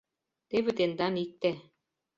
Теве тендан икте.